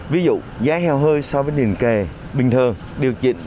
ví dụ giá heo hơi so với liên kề bình thường